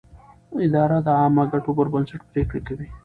اداره د عامه ګټو پر بنسټ پرېکړې کوي.